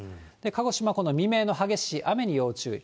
鹿児島、この未明の激しい雨に要注意。